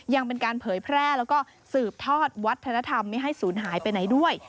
ยังเป็นการเผยแพร่แล้วก็สืบทอดวัฒนธรรมไม่ให้ศูนย์หายไปไหนด้วย